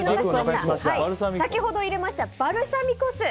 先ほど入れましたバルサミコ酢。